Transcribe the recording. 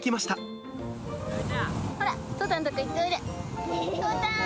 ほら、お父さんのとこ、行っておいで！